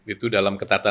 itu dalam ketatan